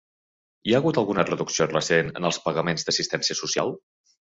Hi ha hagut alguna reducció recent en els pagaments d'assistència social?